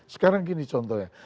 sekarang gini contohnya